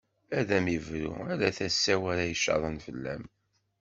Ad am-ibru ala tasa-w ara icaḍen fell-am.